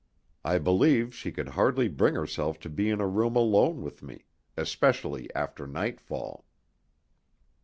I believe she could hardly bring herself to be in a room alone with me, especially after nightfall.